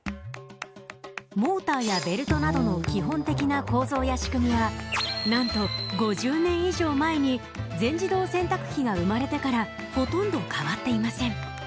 モーターやベルトなどの基本的な構造や仕組みはなんと５０年以上前に全自動洗濯機が生まれてからほとんど変わっていません。